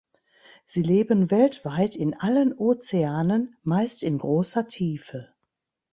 Sie leben weltweit in allen Ozeanen, meist in großer Tiefe.